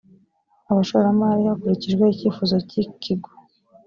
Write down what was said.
abashoramari hakurikijwe icyifuzo cy ikigo